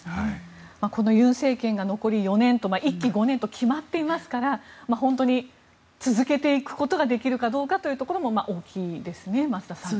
この尹政権が残り４年と１期５年と決まっていますから本当に、続けていくことができるかどうかも大きいですね、増田さん。